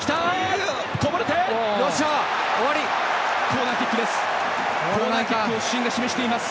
コーナーキックです。